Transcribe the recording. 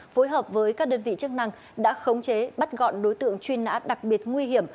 phối hợp với các đơn vị chức năng đã khống chế bắt gọn đối tượng truy nã đặc biệt nguy hiểm